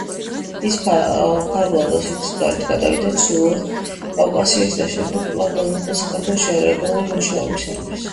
ის ფარულად, ოსეთის გავლით გადავიდა ჩრდილოეთ კავკასიაში და შემდეგ კვლავ დაბრუნდა საქართველოში არალეგალური მუშაობისთვის.